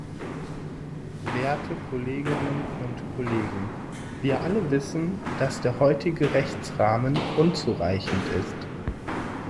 Werte Kolleginnen und Kollegen, wir alle wissen, dass der heutige Rechtsrahmen unzureichend ist.